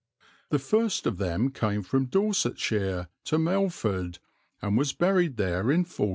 The first of them came from Dorsetshire to Melford and was buried there in 1438.